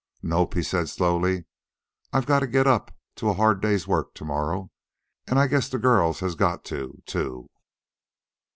"Nope," he said slowly. "I gotta get up to a hard day's work to morrow, and I guess the girls has got to, too."